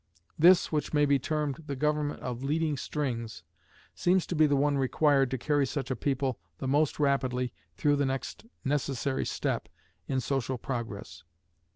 This, which may be termed the government of leading strings, seems to be the one required to carry such a people the most rapidly through the next necessary step in social progress.